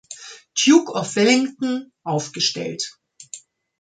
Duke of Wellington, aufgestellt.